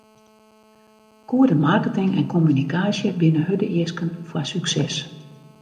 Goede marketing en kommunikaasje binne hurde easken foar sukses.